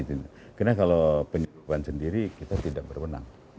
karena kalau penyelundupan sendiri kita tidak berwenang